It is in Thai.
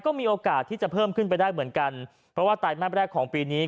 ก็มีโอกาสที่จะเพิ่มขึ้นไปได้เหมือนกันเพราะว่าไตรมาสแรกของปีนี้